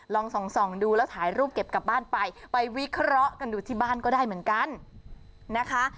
ลองส่องดูแล้วถ่ายรูปเก็บกลับบ้านไปไปวิเคราะห์กันดูที่บ้านก็ได้เหมือนกันนะคะ